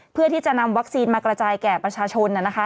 เพื่อที่จะนำวัคซีนมากระจายแก่ประชาชน